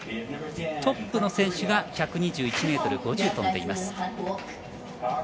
トップの選手が１２１ｍ５０飛んでいます。